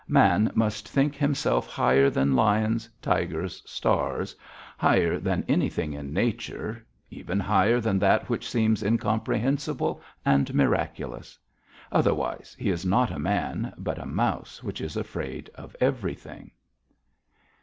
Man must think himself higher than lions, tigers, stars, higher than anything in nature, even higher than that which seems incomprehensible and miraculous. Otherwise he is not a man, but a mouse which is afraid of everything."